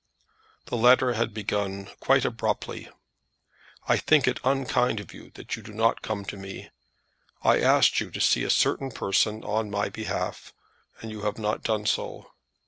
The letter had begun quite abruptly. "I think it unkind of you that you do not come to me. I asked you to see a certain person on my behalf, and you have not done so.